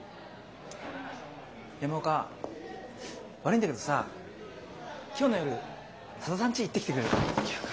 山岡悪いんだけどさ今日の夜佐田さんち行ってきてくれるか？